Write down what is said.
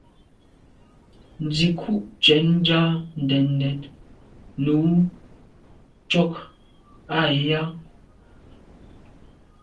Nzìkû’ cwɛ̌d nja ndèdndèd nùú ntchɔ́k á jáà.